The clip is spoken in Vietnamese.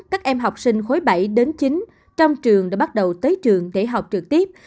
các em học sinh khối bảy đến chín trong trường đã bắt đầu tới trường để học trực tiếp